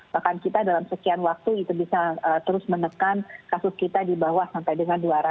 bahkan kita dalam sekian waktu itu bisa terus menekan kasus kita di bawah sampai dengan dua ratus